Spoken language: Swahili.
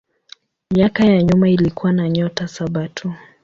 Miaka ya nyuma ilikuwa na nyota saba tu.